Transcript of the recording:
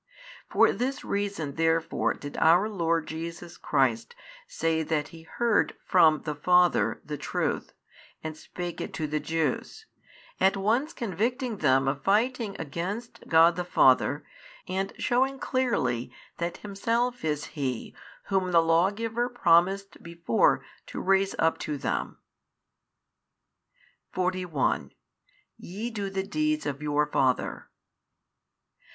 For this reason therefore did our Lord Jesus Christ say that He heard from the Father the Truth and spake it to the Jews, at once convicting them of fighting against God the Father and shewing clearly that Himself is He whom the Lawgiver promised before to raise up to them. 41 YE do the deeds of your father.